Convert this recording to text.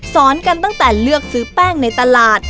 สอนกันตั้งแต่เลือกซื้อแป้งในตลาด